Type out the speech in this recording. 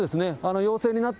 陽性になった？